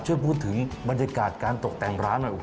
ช่วยพูดถึงบรรยากาศการตกแต่งร้านหน่อย